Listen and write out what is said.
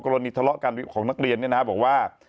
กรณีทะเลาะกันของนักเรียนบอกว่า